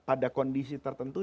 pada kondisi tertentu